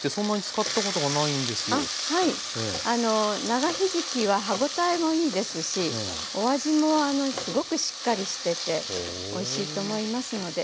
長ひじきは歯応えもいいですしお味もすごくしっかりしてておいしいと思いますので。